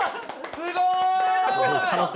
すごい！